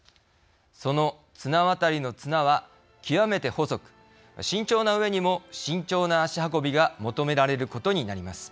その綱渡りの綱は極めて細く慎重なうえにも慎重な足運びが求められることになります。